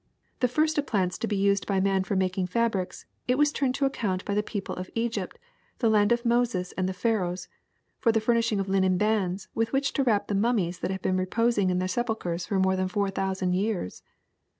The first of plants to be used by man for making fabrics, it was turned to account by the people of Eg}^pt, the land of Moses and the Pharaohs, for the furnishing of linen bands with which to wrap the mummies that have been reposing in their sepulchres more than four thousand years.